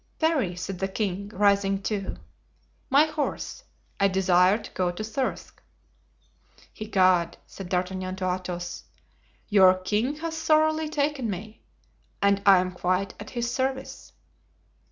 "Parry," said the king, rising too, "my horse; I desire to go to Thirsk." "Egad!" said D'Artagnan to Athos, "your king has thoroughly taken me, and I am quite at his service."